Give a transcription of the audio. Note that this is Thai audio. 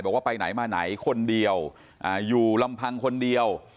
บอกว่าไปไหนมาไหนคนเดียวอยู่ลำพังคนเดียว